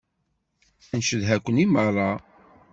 Ncedha-ken i meṛṛa.